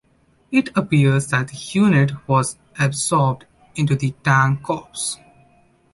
It appears that the unit was absorbed into the Tank Corps.